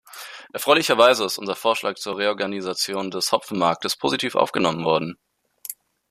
Erfreulicherweise ist unser Vorschlag zur Reorganisation des Hopfenmarktes positiv aufgenommen worden.